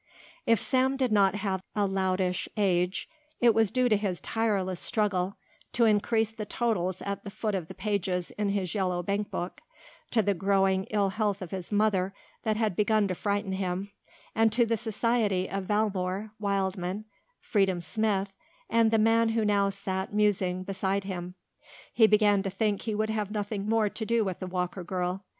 If Sam did not have a loutish age it was due to his tireless struggle to increase the totals at the foot of the pages in the yellow bankbook, to the growing ill health of his mother that had begun to frighten him, and to the society of Valmore, Wildman, Freedom Smith, and the man who now sat musing beside him. He began to think he would have nothing more to do with the Walker girl.